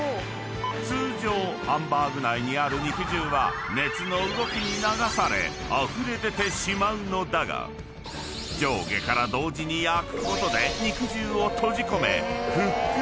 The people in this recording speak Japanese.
［通常ハンバーグ内にある肉汁は熱の動きに流されあふれ出てしまうのだが上下から同時に焼くことで］